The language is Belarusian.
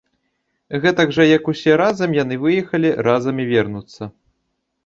Гэтак жа як усе разам яны выехалі, разам і вернуцца.